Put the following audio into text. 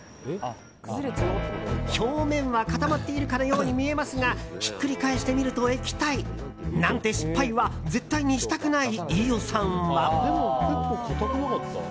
表面は固まっているかのように見えますがひっくり返してみると液体なんて失敗は絶対にしたくない飯尾さんは。